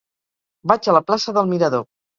Vaig a la plaça del Mirador.